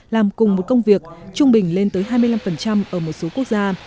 làm cùng một công việc trung bình lên tới hai mươi năm ở một số quốc gia